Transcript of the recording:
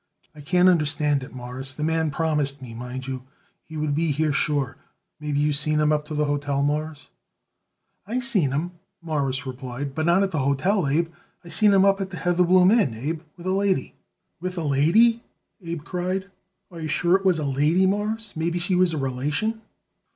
"I can't understand it, Mawruss; the man promised me, mind you, he would be here sure. Maybe you seen him up to the hotel, Mawruss?" "I seen him," Morris replied, "but not at the hotel, Abe. I seen him up at that Heatherbloom Inn, Abe with a lady." "With a lady?" Abe cried. "Are you sure it was a lady, Mawruss? Maybe she was a relation."